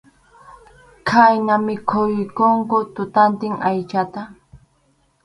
Khayna mikhuykunku tutantin aychata.